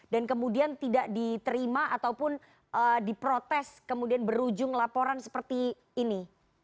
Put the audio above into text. dan kemudian tidak diterima ataupun diprotes kemudian berujung laporan seperti ini